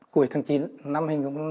cuối tháng chín năm hai nghìn một mươi ba